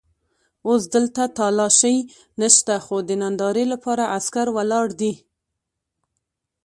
اوس دلته تالاشۍ نشته خو د نندارې لپاره عسکر ولاړ دي.